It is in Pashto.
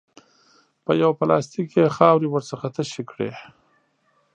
په یوه پلاستیک کې یې خاورې ورڅخه تشې کړې.